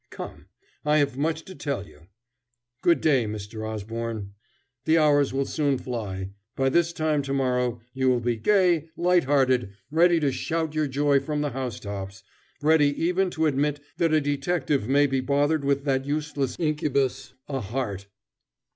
Come, I have much to tell you. Good day, Mr. Osborne. The hours will soon fly; by this time to morrow you will be gay, light hearted, ready to shout your joy from the housetops ready even to admit that a detective may be bothered with that useless incubus a heart."